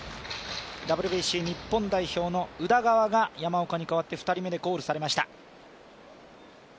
ＷＢＣ日本代表の宇田川が山岡に代わって２人目でコールされました。